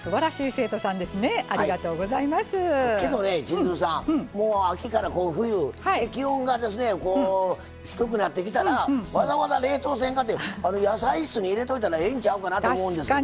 千鶴さんもう秋からこう冬気温が低くなってきたらわざわざ冷凍せんかて野菜室に入れといたらええんちゃうかなと思うんですけど。